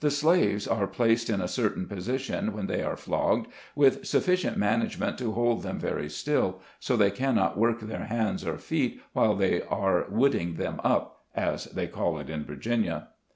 163 slaves are placed in a certain position when they are flogged, with sufficient management to hold them very still, so they cannot work their hands or feet, while they are "wooding them up," as they call it in Virginia.